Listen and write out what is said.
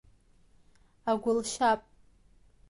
Агәылшьап…